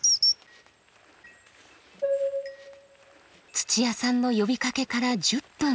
土屋さんの呼びかけから１０分。